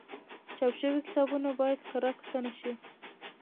چاپ شوي کتابونه باید کره کتنه شي.